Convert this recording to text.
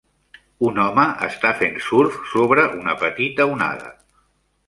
Un home està fent surf sobre una petita onada